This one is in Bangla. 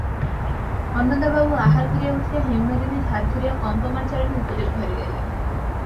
অন্নদাবাবু আহার করিয়া উঠিয়া হেমনলিনীর হাত ধরিয়া কম্পমান চরণে উপরের ঘরে গেলেন।